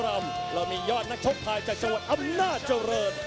แล้วมีย้อนนักชกทาร์ย์จากสวดอัปโน้ตจะเริด